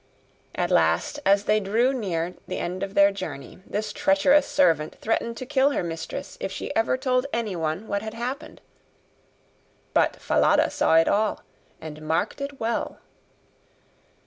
At last, as they drew near the end of their journey, this treacherous servant threatened to kill her mistress if she ever told anyone what had happened. But Falada saw it all, and marked it well.